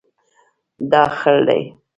دا خړ دی